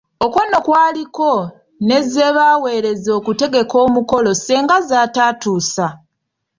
Okwo nno kwaliko ne ze baaweereza okutegeka omukolo senga z'ataatuusa.